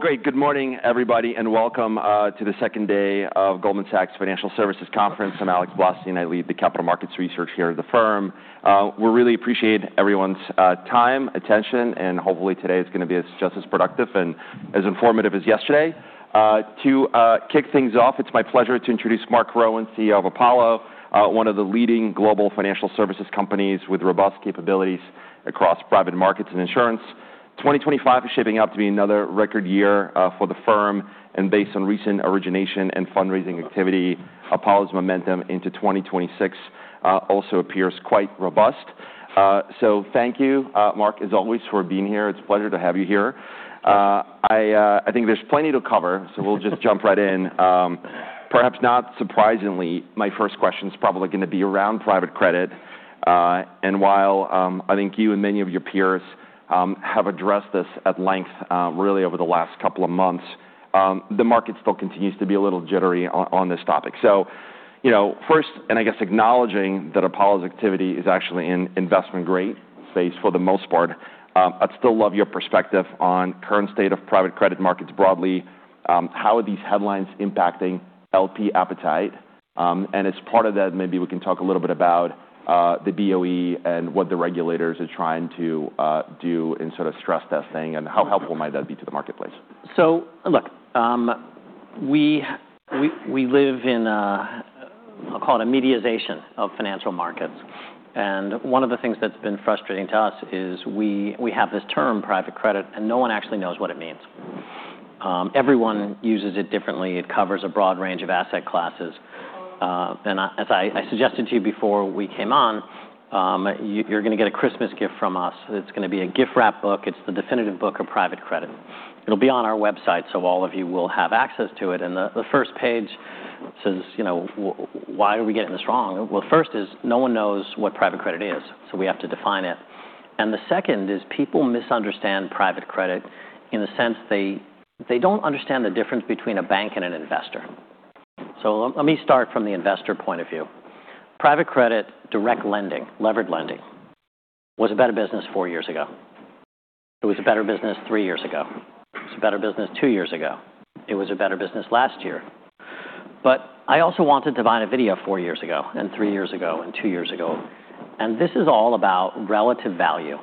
Great. Good morning, everybody, and welcome to the second day of Goldman Sachs Financial Services Conference. I'm Alex Blostein, and I lead the capital markets research here at the firm. We really appreciate everyone's time, attention, and hopefully today is going to be just as productive and as informative as yesterday. To kick things off, it's my pleasure to introduce Marc Rowan, CEO of Apollo, one of the leading global financial services companies with robust capabilities across private markets and insurance. 2025 is shaping up to be another record year for the firm, and based on recent origination and fundraising activity, Apollo's momentum into 2026 also appears quite robust. Thank you, Marc, as always, for being here. It's a pleasure to have you here. I think there's plenty to cover, so we'll just jump right in. Perhaps not surprisingly, my first question is probably going to be around private credit. While I think you and many of your peers have addressed this at length really over the last couple of months, the market still continues to be a little jittery on this topic. First, and I guess acknowledging that Apollo's activity is actually in investment-grade space for the most part, I'd still love your perspective on the current state of private credit markets broadly, how are these headlines impacting LP appetite? As part of that, maybe we can talk a little bit about the BoE and what the regulators are trying to do in stress testing, and how helpful might that be to the marketplace? Look, we live in, I'll call it, a mediation of financial markets. One of the things that's been frustrating to us is we have this term, private credit, and no one actually knows what it means. Everyone uses it differently. It covers a broad range of asset classes. As I suggested to you before we came on, you're going to get a Christmas gift from us. It's going to be a gift wrap book. It's the definitive book of private credit. It'll be on our website, so all of you will have access to it. The first page says, "Why are we getting this wrong?" Well, first is no one knows what private credit is, so we have to define it. The second is people misunderstand private credit in the sense they don't understand the difference between a bank and an investor. Let me start from the investor point of view. Private credit, direct lending, levered lending was a better business four years ago. It was a better business three years ago. It was a better business two years ago. It was a better business last year. I also wanted to buy Athene four years ago, and three years ago, and two years ago. This is all about relative value.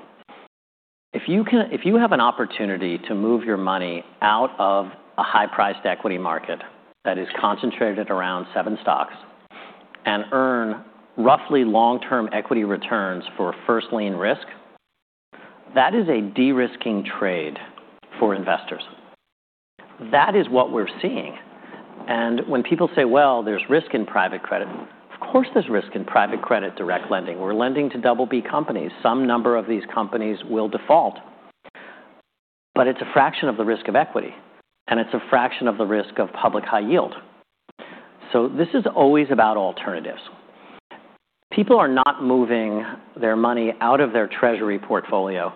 If you have an opportunity to move your money out of a high-priced equity market that is concentrated around seven stocks and earn roughly long-term equity returns for first lien risk, that is a de-risking trade for investors. That is what we're seeing. When people say, well, there's risk in private credit, of course there's risk in private credit direct lending. We're lending to BB companies. Some number of these companies will default. It's a fraction of the risk of equity, and it's a fraction of the risk of public high yield. So this is always about alternatives. People are not moving their money out of their treasury portfolio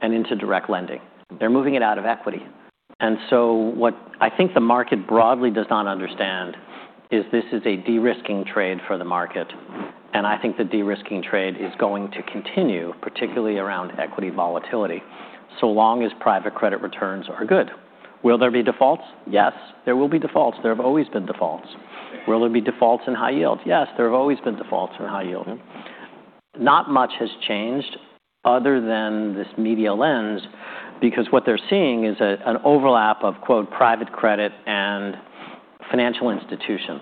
and into direct lending. They're moving it out of equity. What I think the market broadly does not understand is this is a de-risking trade for the market. I think the de-risking trade is going to continue, particularly around equity volatility, so long as private credit returns are good. Will there be defaults? Yes, there will be defaults. There have always been defaults. Will there be defaults in high yield? Yes, there have always been defaults in high yield. Not much has changed other than this media lens, because what they're seeing is an overlap of, quote, private credit and financial institutions.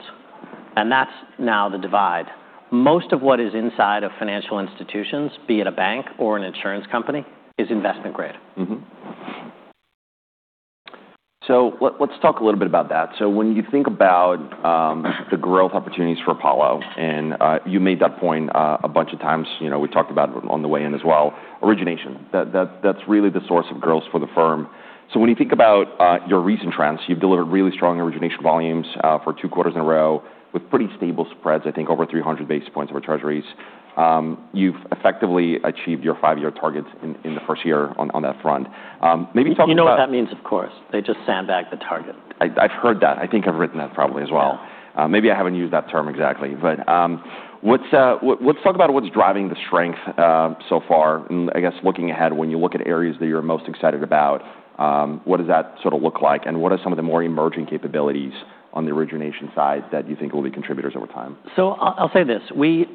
That's now the divide. Most of what is inside of financial institutions, be it a bank or an insurance company, is investment grade. Let's talk a little bit about that. So when you think about the growth opportunities for Apollo, and you made that point a bunch of times, we talked about it on the way in as well, origination, that's really the source of growth for the firm. So when you think about your recent trends, you've delivered really strong origination volumes for two quarters in a row with pretty stable spreads, I think over 300 basis points over treasuries. You've effectively achieved your five-year targets in the first year on that front. Maybe talk about. You know what that means, of course. They just sandbagged the target. I've heard that. I think I've written that probably as well. Maybe I haven't used that term exactly. Let's talk about what's driving the strength so far. Looking ahead, when you look at areas that you're most excited about, what does that look like? What are some of the more emerging capabilities on the origination side that you think will be contributors over time? I'll say this. We've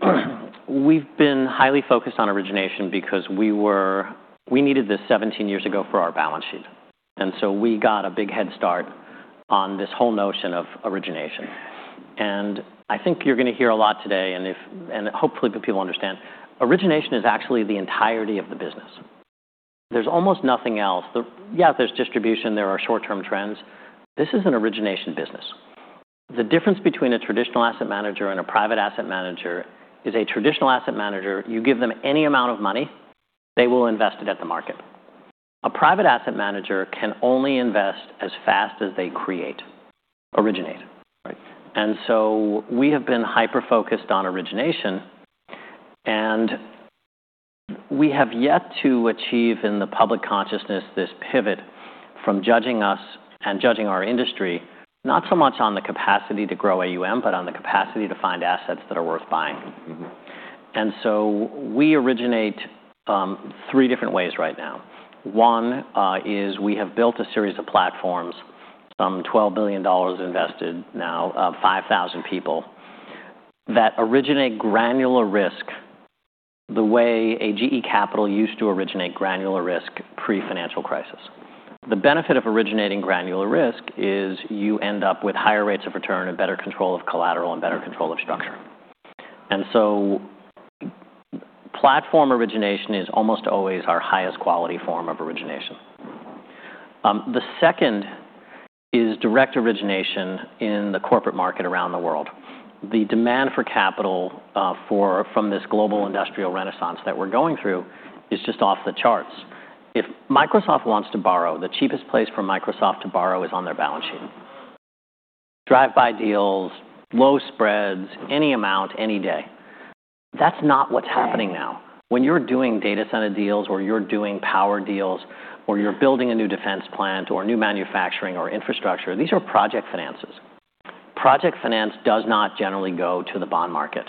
been highly focused on origination because we needed this 17 years ago for our balance sheet. We got a big head start on this whole notion of origination. I think you're going to hear a lot today, and hopefully people understand, origination is actually the entirety of the business. There's almost nothing else. Yeah, there's distribution. There are short-term trends. This is an origination business. The difference between a traditional asset manager and a private asset manager is a traditional asset manager, you give them any amount of money, they will invest it at the market. A private asset manager can only invest as fast as they create, originate. We have been hyper-focused on origination, and we have yet to achieve in the public consciousness this pivot from judging us and judging our industry, not so much on the capacity to grow AUM, but on the capacity to find assets that are worth buying. We originate three different ways right now. One is we have built a series of platforms, some $12 billion invested now, 5,000 people, that originate granular risk the way GE Capital used to originate granular risk pre-financial crisis. The benefit of originating granular risk is you end up with higher rates of return and better control of collateral and better control of structure. Platform origination is almost always our highest quality form of origination. The second is direct origination in the corporate market around the world. The demand for capital from this global industrial renaissance that we're going through is just off the charts. If Microsoft wants to borrow, the cheapest place for Microsoft to borrow is on their balance sheet. Drive-by deals, low spreads, any amount, any day. That's not what's happening now. When you're doing data center deals, or you're doing power deals, or you're building a new defense plant, or new manufacturing, or infrastructure, these are project finances. Project finance does not generally go to the bond market.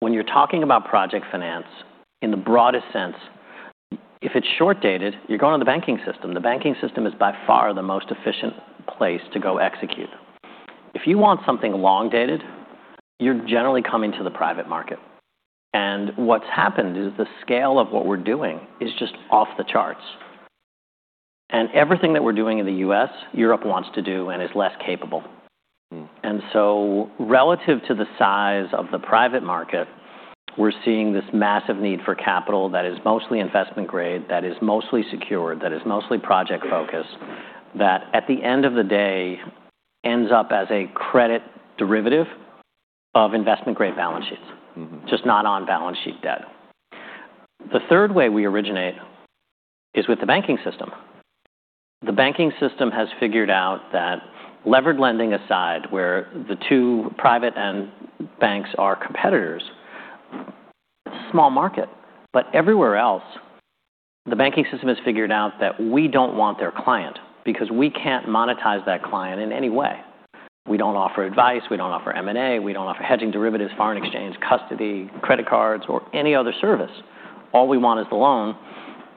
When you're talking about project finance in the broadest sense, if it's short-dated, you're going to the banking system. The banking system is by far the most efficient place to go execute. If you want something long-dated, you're generally coming to the private market. What's happened is the scale of what we're doing is just off the charts. Everything that we're doing in the U.S., Europe wants to do and is less capable. Relative to the size of the private market, we're seeing this massive need for capital that is mostly investment grade, that is mostly secured, that is mostly project-focused, that at the end of the day ends up as a credit derivative of investment-grade balance sheets, just not on balance sheet debt. The third way we originate is with the banking system. The banking system has figured out that levered lending aside, where the two private and banks are competitors, it's a small market. Everywhere else, the banking system has figured out that we don't want their client because we can't monetize that client in any way. We don't offer advice, we don't offer M&A, we don't offer hedging derivatives, foreign exchange, custody, credit cards, or any other service. All we want is the loan,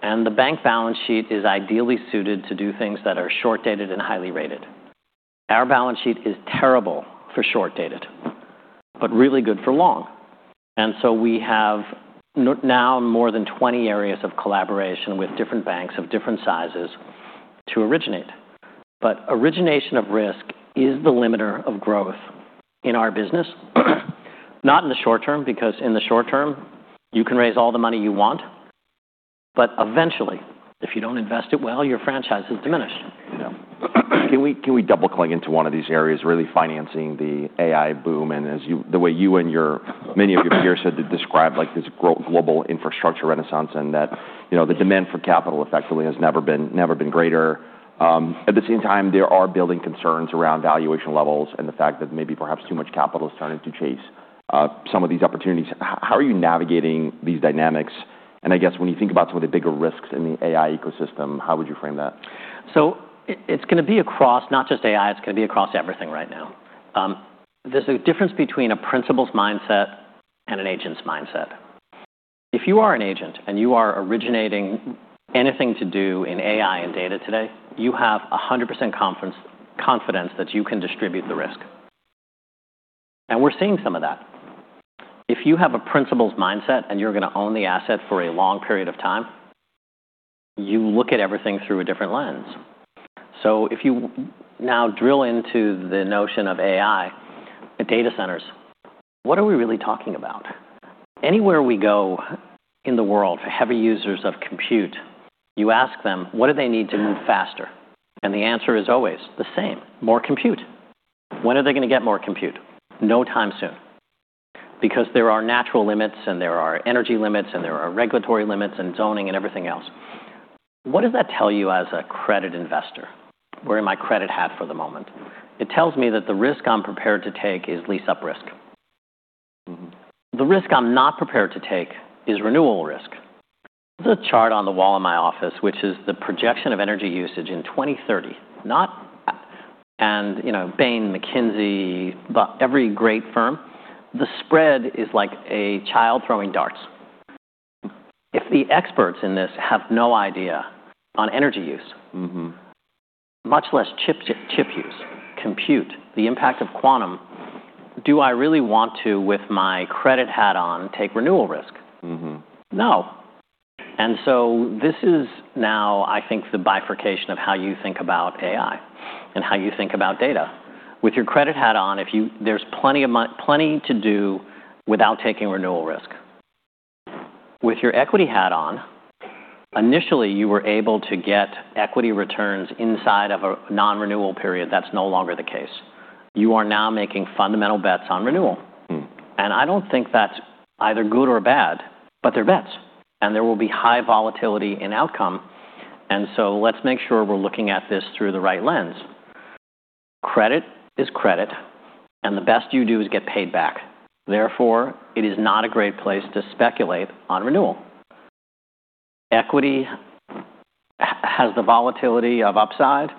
and the bank balance sheet is ideally suited to do things that are short-dated and highly rated. Our balance sheet is terrible for short-dated, but really good for long, and so we have now more than 20 areas of collaboration with different banks of different sizes to originate, but origination of risk is the limiter of growth in our business, not in the short term, because in the short term, you can raise all the money you want, but eventually, if you don't invest it well, your franchise is diminished. Can we double-click into one of these areas, really financing the AI boom and the way you and many of your peers have described this global infrastructure renaissance and that the demand for capital effectively has never been greater? At the same time, there are building concerns around valuation levels and the fact that maybe perhaps too much capital is starting to chase some of these opportunities. How are you navigating these dynamics? When you think about some of the bigger risks in the AI ecosystem, how would you frame that? It's going to be across not just AI, it's going to be across everything right now. There's a difference between a principal's mindset and an agent's mindset. If you are an agent and you are originating anything to do in AI and data today, you have 100% confidence that you can distribute the risk. We're seeing some of that. If you have a principal's mindset and you're going to own the asset for a long period of time, you look at everything through a different lens. If you now drill into the notion of AI, data centers, what are we really talking about? Anywhere we go in the world for heavy users of compute, you ask them, what do they need to move faster? The answer is always the same, more compute. When are they going to get more compute? No time soon, because there are natural limits, and there are energy limits, and there are regulatory limits, and zoning, and everything else. What does that tell you as a credit investor? Wearing my credit hat for the moment, it tells me that the risk I'm prepared to take is lease-up risk. The risk I'm not prepared to take is renewable risk. There's a chart on the wall in my office, which is the projection of energy usage in 2030, not Bain, McKinsey, every great firm, the spread is like a child throwing darts. If the experts in this have no idea on energy use, much less chip use, compute, the impact of quantum, do I really want to, with my credit hat on, take renewal risk? No, and so this is now, I think, the bifurcation of how you think about AI and how you think about data. With your credit hat on, there's plenty to do without taking renewal risk. With your equity hat on, initially, you were able to get equity returns inside of a non-renewal period. That's no longer the case. You are now making fundamental bets on renewal, and I don't think that's either good or bad, but they're bets, and there will be high volatility in outcome, and so let's make sure we're looking at this through the right lens. Credit is credit, and the best you do is get paid back. Therefore, it is not a great place to speculate on renewal. Equity has the volatility of upside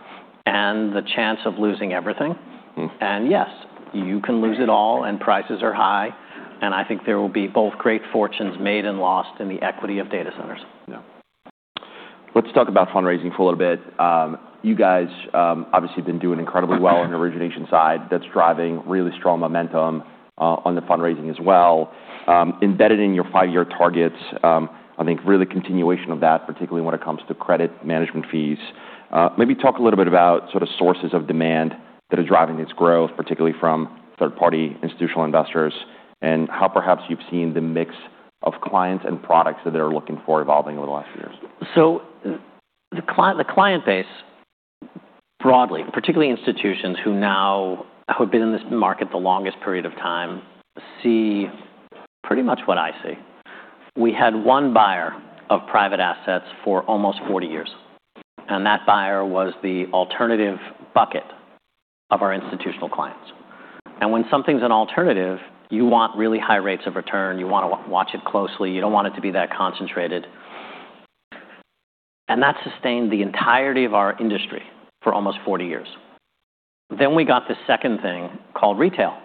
and the chance of losing everything, and yes, you can lose it all, and prices are high, and I think there will be both great fortunes made and lost in the equity of data centers. Let's talk about fundraising for a little bit. You guys obviously have been doing incredibly well on the origination side. That's driving really strong momentum on the fundraising as well, embedded in your five-year targets. I think really continuation of that, particularly when it comes to credit management fees. Maybe talk a little bit about sources of demand that are driving this growth, particularly from third-party institutional investors, and how perhaps you've seen the mix of clients and products that they're looking for evolving over the last few years The client base broadly, particularly institutions who now have been in this market the longest period of time, see pretty much what I see. We had one buyer of private assets for almost 40 years. That buyer was the alternative bucket of our institutional clients. When something's an alternative, you want really high rates of return. You want to watch it closely. You don't want it to be that concentrated. That sustained the entirety of our industry for almost 40 years. Then we got the second thing called retail,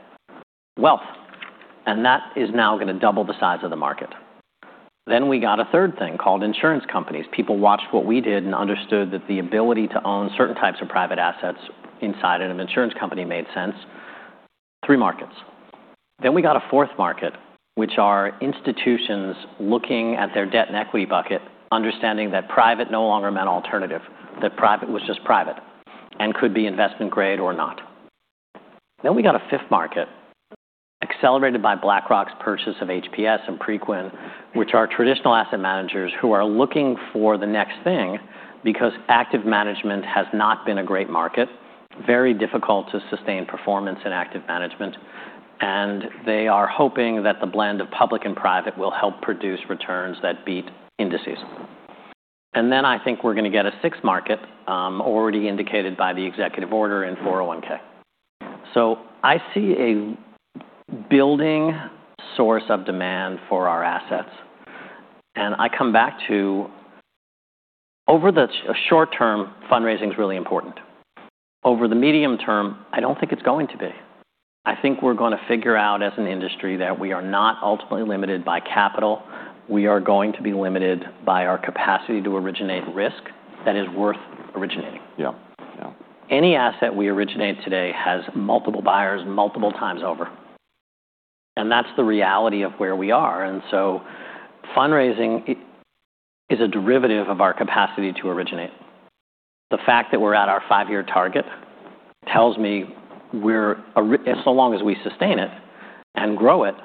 wealth. That is now going to double the size of the market. Then we got a third thing called insurance companies. People watched what we did and understood that the ability to own certain types of private assets inside of an insurance company made sense. Three markets. Then we got a fourth market, which are institutions looking at their debt and equity bucket, understanding that private no longer meant alternative, that private was just private and could be investment grade or not. Then we got a fifth market accelerated by BlackRock's purchase of HPS and Preqin, which are traditional asset managers who are looking for the next thing because active management has not been a great market, very difficult to sustain performance in active management. They are hoping that the blend of public and private will help produce returns that beat indices. Then I think we're going to get a sixth market already indicated by the executive order in 401(k). So I see a building source of demand for our assets. I come back to over the short term, fundraising is really important. Over the medium term, I don't think it's going to be. I think we're going to figure out as an industry that we are not ultimately limited by capital. We are going to be limited by our capacity to originate risk that is worth originating. Yeah. Yeah. Any asset we originate today has multiple buyers, multiple times over, and that's the reality of where we are, and so fundraising is a derivative of our capacity to originate. The fact that we're at our five-year target tells me we're as long as we sustain it and grow it,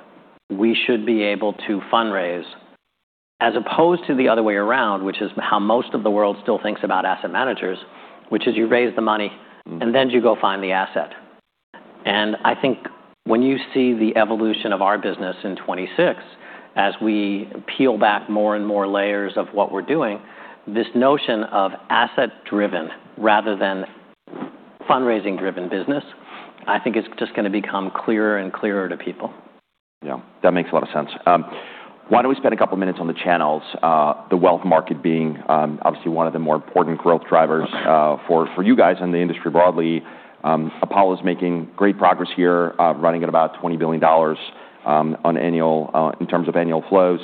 we should be able to fundraise as opposed to the other way around, which is how most of the world still thinks about asset managers, which is you raise the money, and then you go find the asset, and I think when you see the evolution of our business in 2026, as we peel back more and more layers of what we're doing, this notion of asset-driven rather than fundraising-driven business, I think, is just going to become clearer and clearer to people. That makes a lot of sense. Why don't we spend a couple of minutes on the channels, the wealth market being obviously one of the more important growth drivers for you guys and the industry broadly. Apollo is making great progress here, running at about $20 billion in terms of annual flows.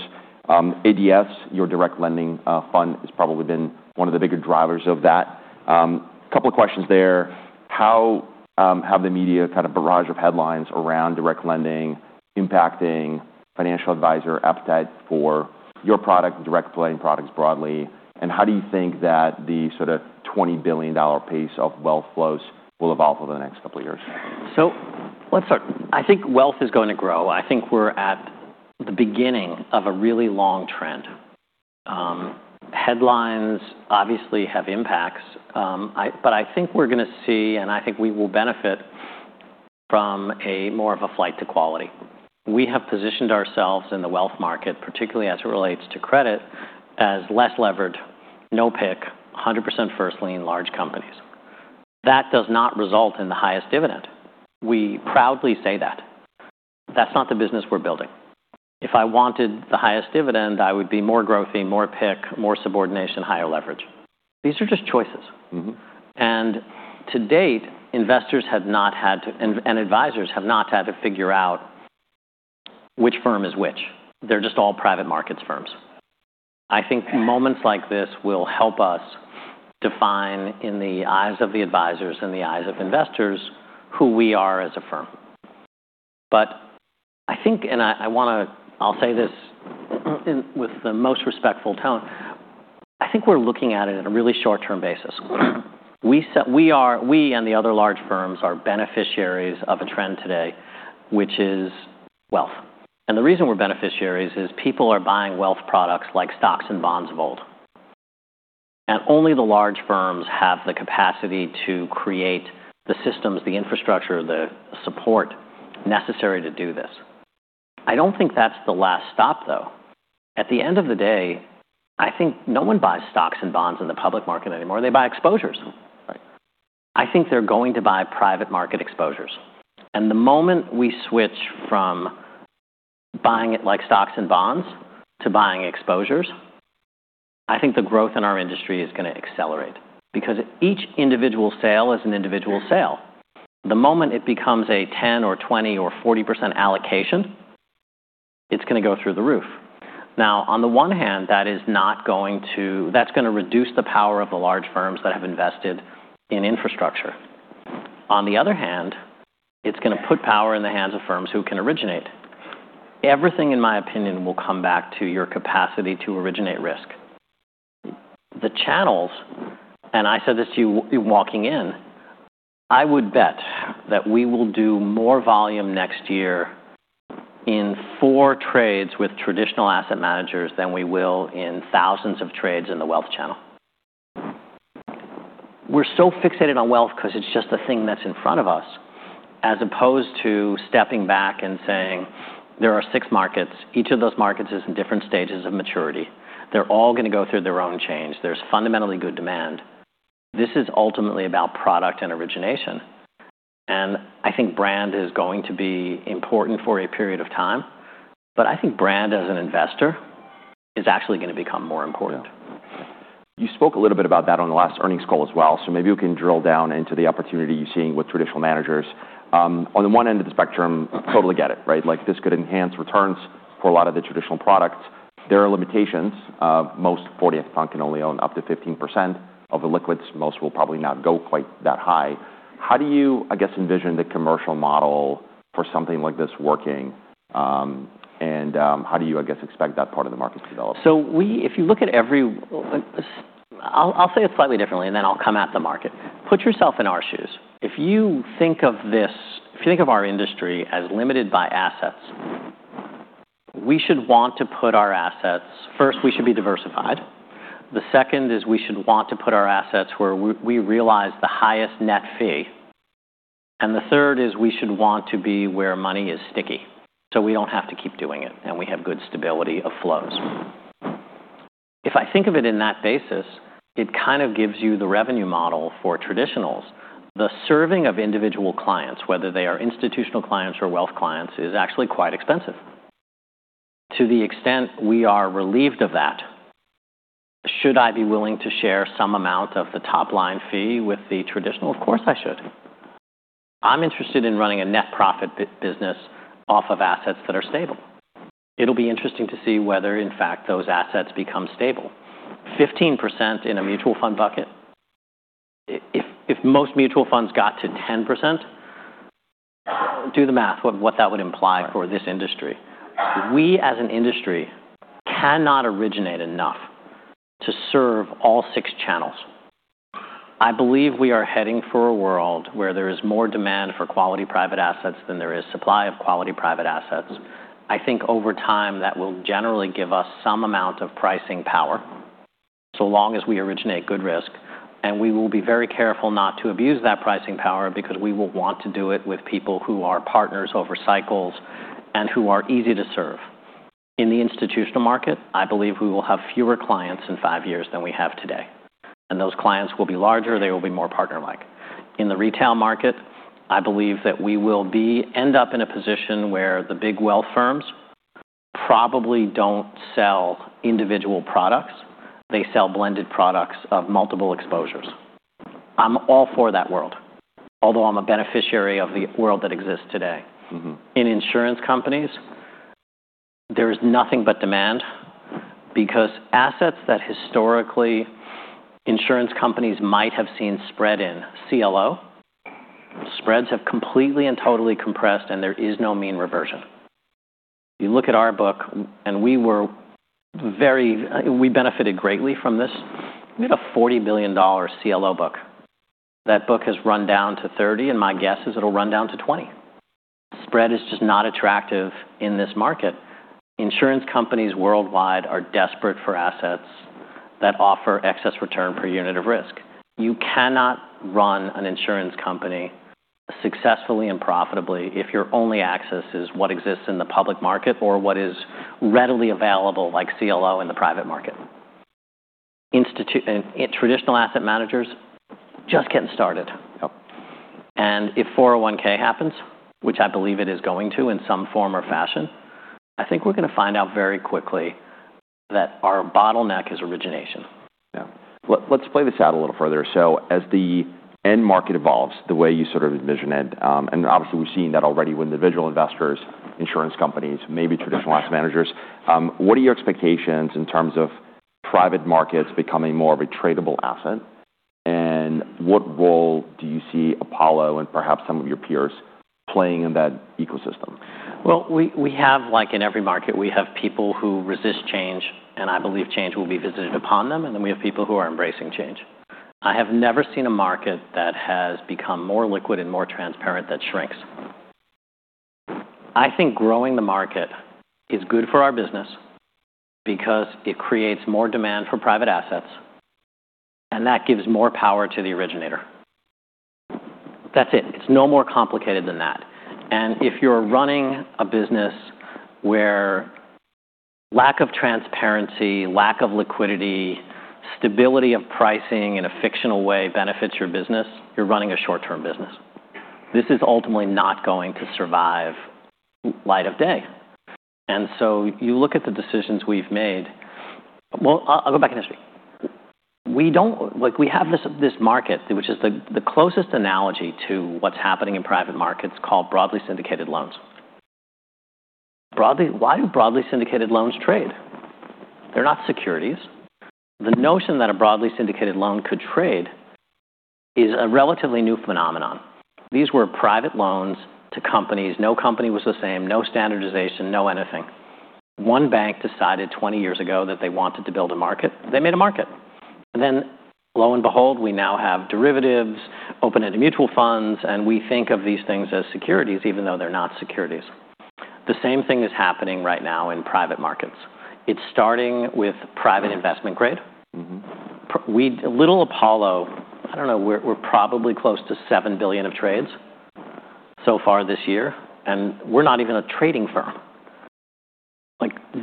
ADS, your direct lending fund, has probably been one of the bigger drivers of that. A couple of questions there. How have the media barrage of headlines around direct lending impacting financial advisor appetite for your product, direct lending products broadly? How do you think that the $20 billion pace of wealth flows will evolve over the next couple of years? I think wealth is going to grow. I think we're at the beginning of a really long trend. Headlines obviously have impacts, but I think we're going to see, and I think we will benefit from more of a flight to quality. We have positioned ourselves in the wealth market, particularly as it relates to credit, as less levered, no PIK, 100% first-lien large companies. That does not result in the highest dividend. We proudly say that. That's not the business we're building. If I wanted the highest dividend, I would be more growthy, more PIK, more subordination, higher leverage. These are just choices. To date, investors have not had to, and advisors have not had to figure out which firm is which. They're just all private markets firms. I think moments like this will help us define in the eyes of the advisors and the eyes of investors who we are as a firm. I think, and I'll say this with the most respectful tone, I think we're looking at it on a really short-term basis. We and the other large firms are beneficiaries of a trend today, which is wealth. The reason we're beneficiaries is people are buying wealth products like stocks and bonds of old. And only the large firms have the capacity to create the systems, the infrastructure, the support necessary to do this. I don't think that's the last stop, though. At the end of the day, I think no one buys stocks and bonds in the public market anymore. They buy exposures. I think they're going to buy private market exposures. The moment we switch from buying it like stocks and bonds to buying exposures, I think the growth in our industry is going to accelerate because each individual sale is an individual sale. The moment it becomes a 10% or 20% or 40% allocation, it's going to go through the roof. Now, on the one hand, that's going to reduce the power of the large firms that have invested in infrastructure. On the other hand, it's going to put power in the hands of firms who can originate. Everything, in my opinion, will come back to your capacity to originate risk. The channels, and I said this to you walking in, I would bet that we will do more volume next year in four trades with traditional asset managers than we will in thousands of trades in the wealth channel. We're so fixated on wealth because it's just the thing that's in front of us, as opposed to stepping back and saying, there are six markets. Each of those markets is in different stages of maturity. They're all going to go through their own change. There's fundamentally good demand. This is ultimately about product and origination. I think brand is going to be important for a period of time. I think brand as an investor is actually going to become more important. You spoke a little bit about that on the last earnings call as well. Maybe we can drill down into the opportunity you're seeing with traditional managers. On the one end of the spectrum, totally get it, right? This could enhance returns for a lot of the traditional products. There are limitations. Most 401(k) funds only own up to 15% of the illiquids. Most will probably not go quite that high. How do you, I guess, envision the commercial model for something like this working? ow do you, I guess, expect that part of the market to develop? If you look at every. I'll say it slightly differently, and then I'll come at the market. Put yourself in our shoes. If you think of this, if you think of our industry as limited by assets, we should want to put our assets first. We should be diversified. The second is we should want to put our assets where we realize the highest net fee. The third is we should want to be where money is sticky so we don't have to keep doing it and we have good stability of flows. If I think of it in that basis, gives you the revenue model for traditionals. The serving of individual clients, whether they are institutional clients or wealth clients, is actually quite expensive. To the extent we are relieved of that, should I be willing to share some amount of the top line fee with the traditional? Of course I should. I'm interested in running a net profit business off of assets that are stable. It'll be interesting to see whether, in fact, those assets become stable. 15% in a mutual fund bucket. If most mutual funds got to 10%, do the math of what that would imply for this industry. We, as an industry, cannot originate enough to serve all six channels. I believe we are heading for a world where there is more demand for quality private assets than there is supply of quality private assets. I think over time that will generally give us some amount of pricing power so long as we originate good risk. We will be very careful not to abuse that pricing power because we will want to do it with people who are partners over cycles and who are easy to serve. In the institutional market, I believe we will have fewer clients in five years than we have today. Those clients will be larger. They will be more partner-like. In the retail market, I believe that we will end up in a position where the big wealth firms probably don't sell individual products. They sell blended products of multiple exposures. I'm all for that world, although I'm a beneficiary of the world that exists today. In insurance companies, there is nothing but demand because assets that historically insurance companies might have seen spread in CLO, spreads have completely and totally compressed, and there is no mean reversion. You look at our book, and we were very, we benefited greatly from this. We had a $40 billion CLO book. That book has run down to 30, and my guess is it'll run down to 20. Spread is just not attractive in this market. Insurance companies worldwide are desperate for assets that offer excess return per unit of risk. You cannot run an insurance company successfully and profitably if your only access is what exists in the public market or what is readily available like CLO in the private market. Traditional asset managers just getting started, and if 401(k) happens, which I believe it is going to in some form or fashion, I think we're going to find out very quickly that our bottleneck is origination. Let's play this out a little further. As the end market evolves, the way you envision it, and obviously we've seen that already with individual investors, insurance companies, maybe traditional asset managers, what are your expectations in terms of private markets becoming more of a tradable asset? What role do you see Apollo and perhaps some of your peers playing in that ecosystem? Well, we have, like in every market, we have people who resist change, and I believe change will be visited upon them. Then we have people who are embracing change. I have never seen a market that has become more liquid and more transparent that shrinks. I think growing the market is good for our business because it creates more demand for private assets, and that gives more power to the originator. That's it. It's no more complicated than that. If you're running a business where lack of transparency, lack of liquidity, stability of pricing in a fictional way benefits your business, you're running a short-term business. This is ultimately not going to survive light of day. And so you look at the decisions we've made. Well, I'll go back in history. We have this market, which is the closest analogy to what's happening in private markets called broadly syndicated loans. Why do broadly syndicated loans trade? They're not securities. The notion that a broadly syndicated loan could trade is a relatively new phenomenon. These were private loans to companies. No company was the same. No standardization. No anything. One bank decided 20 years ago that they wanted to build a market. They made a market. Then lo and behold, we now have derivatives, open-ended mutual funds, and we think of these things as securities, even though they're not securities. The same thing is happening right now in private markets. It's starting with private investment grade. Little Apollo, I don't know, we're probably close to $7 billion of trades so far this year, and we're not even a trading firm.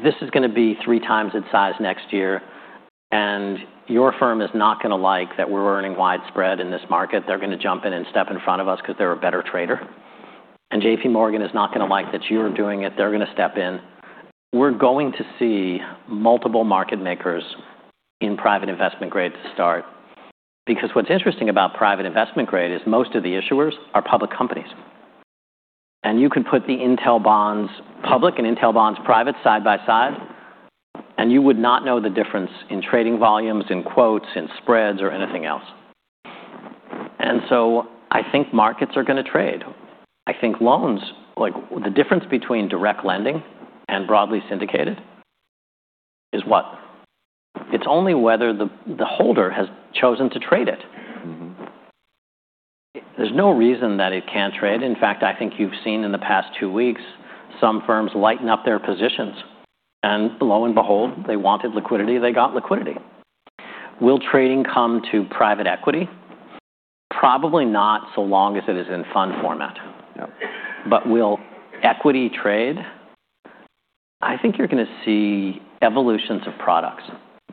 This is going to be three times its size next year. Your firm is not going to like that we're earning wide spread in this market. They're going to jump in and step in front of us because they're a better trader. JPMorgan is not going to like that you're doing it. They're going to step in. We're going to see multiple market makers in private investment grade to start. What's interesting about private investment grade is most of the issuers are public companies. You can put the Intel bonds public and Intel bonds private side by side, and you would not know the difference in trading volumes, in quotes, in spreads, or anything else. I think markets are going to trade. I think loans, the difference between direct lending and broadly syndicated is what? It's only whether the holder has chosen to trade it. There's no reason that it can't trade. In fact, I think you've seen in the past two weeks some firms lighten up their positions. lo and behold, they wanted liquidity. They got liquidity. Will trading come to private equity? Probably not so long as it is in fund format. Will equity trade? I think you're going to see evolutions of products.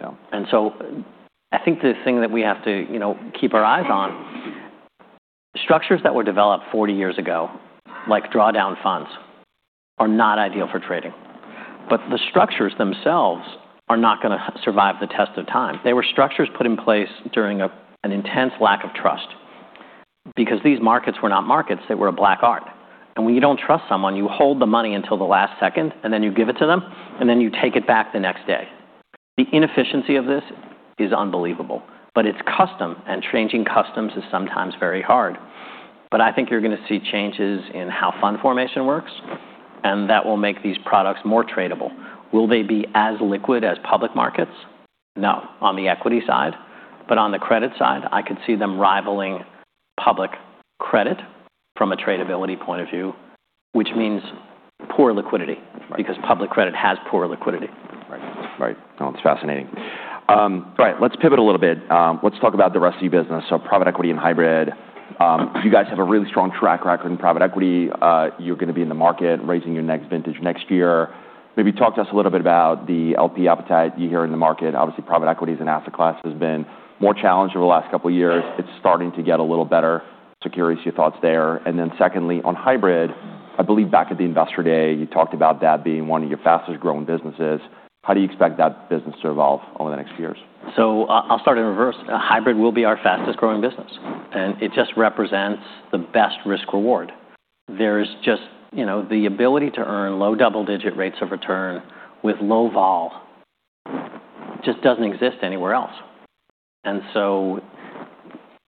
I think the thing that we have to keep our eyes on, structures that were developed 40 years ago, like drawdown funds, are not ideal for trading. The structures themselves are not going to survive the test of time. They were structures put in place during an intense lack of trust because these markets were not markets. They were a black art. When you don't trust someone, you hold the money until the last second, and then you give it to them, and then you take it back the next day. The inefficiency of this is unbelievable. It's custom, and changing customs is sometimes very hard. I think you're going to see changes in how fund formation works, and that will make these products more tradable. Will they be as liquid as public markets? No. On the equity side. On the credit side, I could see them rivaling public credit from a tradability point of view, which means poor liquidity because public credit has poor liquidity. Right. Right. No, that's fascinating. All right. Let's pivot a little bit. Let's talk about the rest of your business. Private equity and hybrid. You guys have a really strong track record in private equity. You're going to be in the market raising your next vintage next year. Maybe talk to us a little bit about the LP appetite you hear in the market. Obviously, private equity as an asset class has been more challenged over the last couple of years. It's starting to get a little better. So curious your thoughts there. Then secondly, on hybrid, I believe back at the investor day, you talked about that being one of your fastest growing businesses. How do you expect that business to evolve over the next few years? I'll start in reverse. Hybrid will be our fastest growing business. It just represents the best risk-reward. There's just the ability to earn low double-digit rates of return with low vol just doesn't exist anywhere else.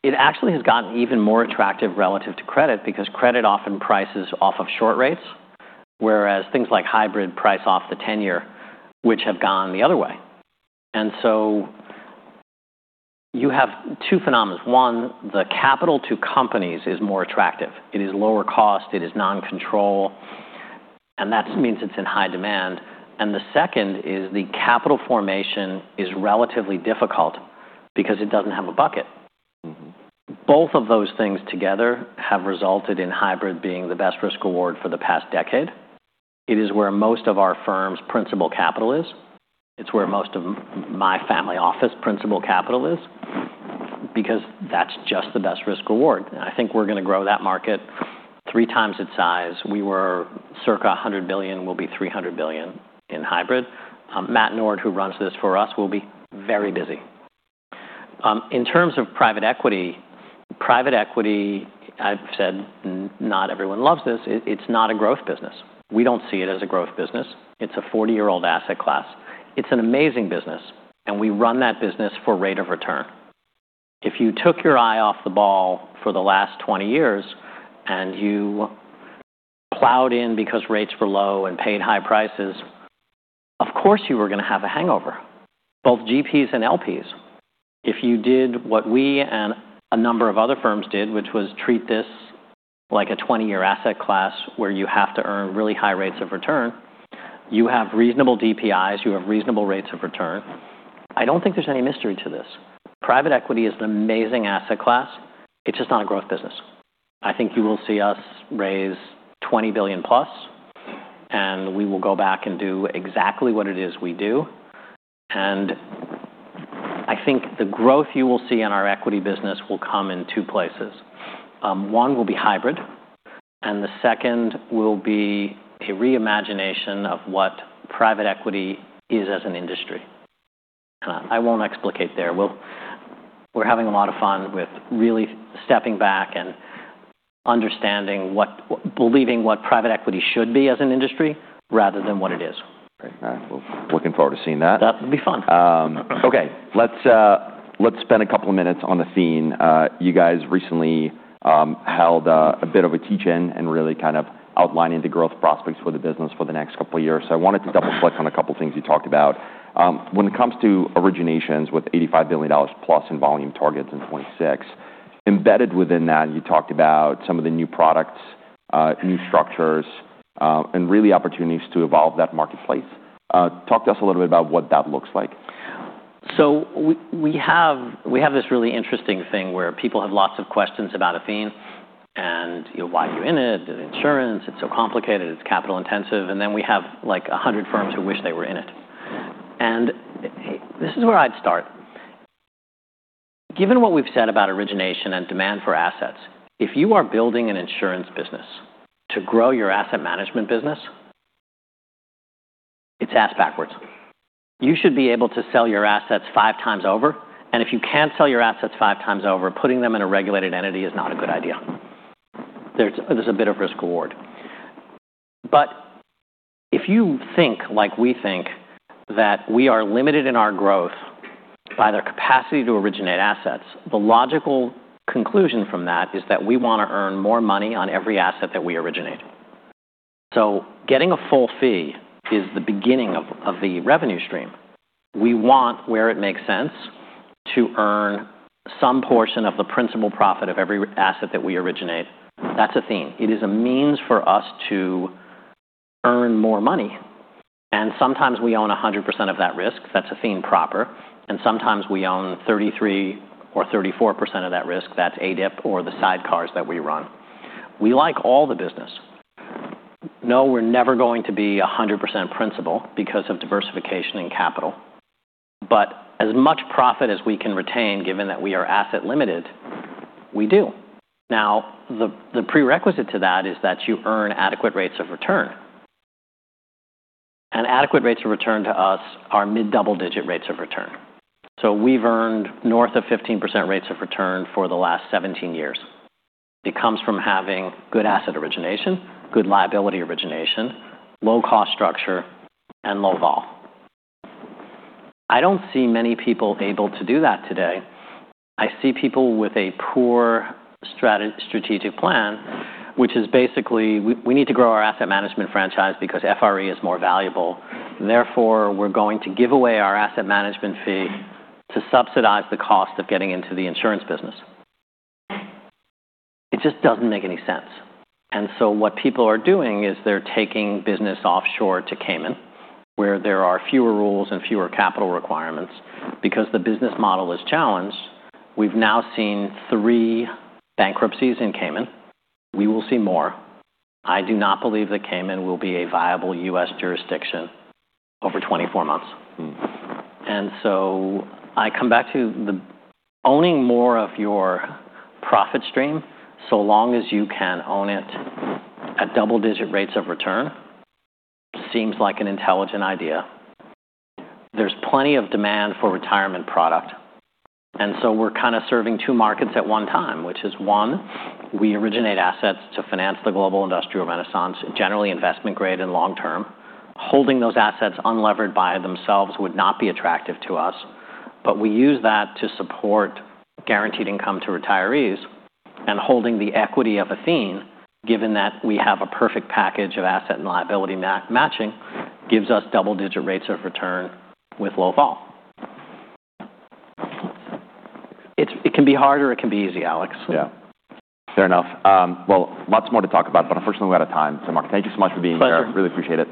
It actually has gotten even more attractive relative to credit because credit often prices off of short rates, whereas things like hybrid price off the 10-year, which have gone the other way. You have two phenomena. One, the capital to companies is more attractive. It is lower cost. It is non-control. That means it's in high demand. The second is the capital formation is relatively difficult because it doesn't have a bucket. Both of those things together have resulted in hybrid being the best risk-reward for the past decade. It is where most of our firm's principal capital is. It's where most of my family office principal capital is because that's just the best risk-reward. I think we're going to grow that market three times its size. We were circa $100 billion. We'll be $300 billion in hybrid. Matt Nord, who runs this for us, will be very busy. In terms of private equity, private equity, I've said not everyone loves this. It's not a growth business. We don't see it as a growth business. It's a 40-year-old asset class. It's an amazing business. We run that business for rate of return. If you took your eye off the ball for the last 20 years and you plowed in because rates were low and paid high prices, you were going to have a hangover, both GPs and LPs. If you did what we and a number of other firms did, which was treat this like a 20-year asset class where you have to earn really high rates of return, you have reasonable DPIs. You have reasonable rates of return. I don't think there's any mystery to this. Private equity is an amazing asset class. It's just not a growth business. I think you will see us raise $20 billion plus, and we will go back and do exactly what it is we do, and I think the growth you will see in our equity business will come in two places. One will be hybrid, and the second will be a reimagination of what private equity is as an industry. I won't explicate there. We're having a lot of fun with really stepping back and believing what private equity should be as an industry rather than what it is. All right. Well, looking forward to seeing that. That would be fun. Okay. Let's spend a couple of minutes on Athene. You guys recently held a bit of a teach-in and really outlining the growth prospects for the business for the next couple of years. I wanted to double-click on a couple of things you talked about. When it comes to originations with $85 billion plus in volume targets in 2026, embedded within that, you talked about some of the new products, new structures, and really opportunities to evolve that marketplace. Talk to us a little bit about what that looks like. We have this really interesting thing where people have lots of questions about Athene and why you're in it. The insurance, it's so complicated. It's capital-intensive. Then we have like 100 firms who wish they were in it. This is where I'd start. Given what we've said about origination and demand for assets, if you are building an insurance business to grow your asset management business, it's ass backwards. You should be able to sell your assets five times over. If you can't sell your assets five times over, putting them in a regulated entity is not a good idea. There's a bit of risk-reward. If you think like we think that we are limited in our growth by their capacity to originate assets, the logical conclusion from that is that we want to earn more money on every asset that we originate. Getting a full fee is the beginning of the revenue stream. We want, where it makes sense, to earn some portion of the principal profit of every asset that we originate. That's Athene. It is a means for us to earn more money. Sometimes we own 100% of that risk. That's Athene proper. Sometimes we own 33 or 34% of that risk. That's ADIP or the side cars that we run. We like all the business. No, we're never going to be 100% principal because of diversification and capital. As much profit as we can retain, given that we are asset-limited, we do. Now, the prerequisite to that is that you earn adequate rates of return. Adequate rates of return to us are mid-double-digit rates of return. We've earned north of 15% rates of return for the last 17 years. It comes from having good asset origination, good liability origination, low-cost structure, and low vol. I don't see many people able to do that today. I see people with a poor strategic plan, which is basically, we need to grow our asset management franchise because FRE is more valuable. Therefore, we're going to give away our asset management fee to subsidize the cost of getting into the insurance business. It just doesn't make any sense. What people are doing is they're taking business offshore to Cayman, where there are fewer rules and fewer capital requirements. Because the business model is challenged, we've now seen three bankruptcies in Cayman. We will see more. I do not believe that Cayman will be a viable U.S. jurisdiction over 24 months. I come back to owning more of your profit stream so long as you can own it at double-digit rates of return seems like an intelligent idea. There's plenty of demand for retirement product. Serving two markets at one time, which is one, we originate assets to finance the global industrial renaissance, generally investment-grade and long-term. Holding those assets unlevered by themselves would not be attractive to us. We use that to support guaranteed income to retirees and holding the equity of Athene, given that we have a perfect package of asset and liability matching, gives us double-digit rates of return with low vol. It can be hard or it can be easy, Alex. Yeah. Fair enough. Well, lots more to talk about, but unfortunately, we're out of time. So Marc, thank you so much for being here. Pleasure. Really appreciate it.